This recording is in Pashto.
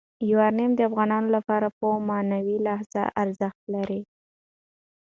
یورانیم د افغانانو لپاره په معنوي لحاظ ارزښت لري.